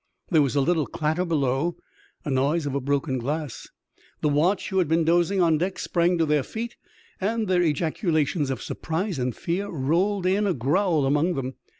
There was a little clatter below, a noise of broken glass. The watch who had been dozing on deck sprang to their feet, and their ejaculations of surprise and fear rolled in a growl among them.